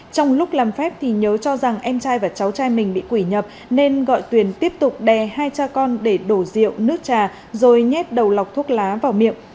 trong lúc làm phép thì nhớ cho rằng em trai và cháu trai mình bị quỷ nhập nên gọi tuyền tiếp tục đè hai cha con để đổ rượu nước trà rồi nhét đầu lọc thuốc lá vào miệng